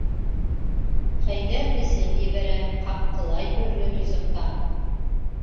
Хәйҙәр эсеп ебәрә, ҡапҡылай төрлө ризыҡтан.